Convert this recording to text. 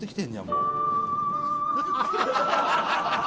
もう。